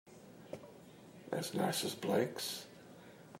As nice as Blake's?